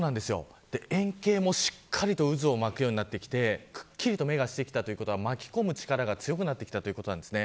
円形もしっかりと渦を巻くようになってきてくっきりと目が出てきたということは巻き込む力が強くなってきたということです。